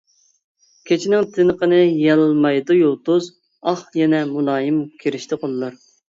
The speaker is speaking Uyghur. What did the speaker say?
كېچىنىڭ تىنىقىنى يالمايدۇ يۇلتۇز، ئاھ ، يەنە مۇلايىم كىرىشتى قوللار.